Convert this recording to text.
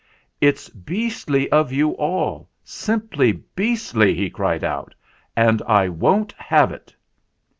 "It's beastly of you all simply beastly!" he cried out. "And I won't have it!"